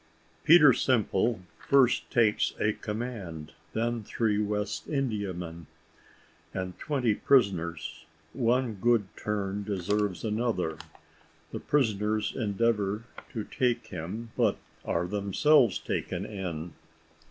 PETER SIMPLE FIRST TAKES A COMMAND, THEN THREE WEST INDIAMEN, AND TWENTY PRISONERS ONE GOOD TURN DESERVES ANOTHER THE PRISONERS ENDEAVOUR TO TAKE HIM, BUT ARE THEMSELVES TAKEN IN.